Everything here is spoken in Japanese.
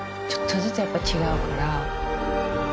ちょっとずつやっぱ違うから。